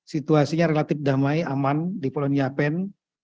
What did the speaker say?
situasinya relatif damai aman di pulau niapen